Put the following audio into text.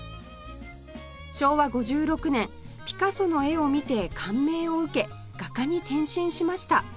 昭和５６年ピカソの絵を見て感銘を受け画家に転身しました